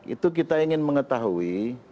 itu kita ingin mengetahui